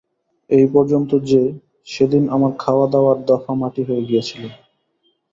এই পর্যন্ত যে, সেদিন আমার খাওয়া-দাওয়ার দফা মাটি হয়ে গিয়েছিল।